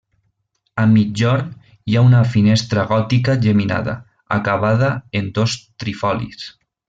A migjorn hi ha una finestra gòtica geminada, acabada en dos trifolis.